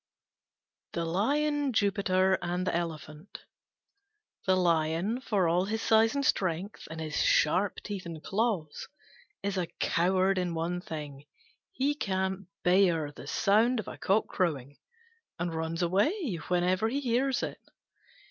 THE LION, JUPITER, AND THE ELEPHANT The Lion, for all his size and strength, and his sharp teeth and claws, is a coward in one thing: he can't bear the sound of a cock crowing, and runs away whenever he hears it.